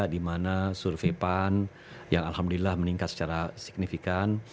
dimana survei pan yang alhamdulillah meningkat secara signifikan